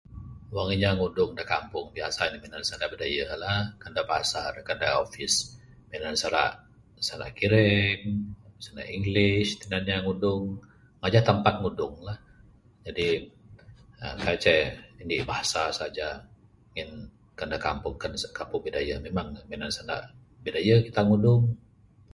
Wang inya ngudung da kampung biasa ne minan sanda bidayuh la...kan da pasar kan da office minan sanda...sanda kireng sanda english tinan inya ngudung ngajah tampat ngudung la...jadi kaii ceh inik bahasa saja ngin kan ne da kampung kan ne kampung bidayuh memang ne sanda bidayuh kita ngudung.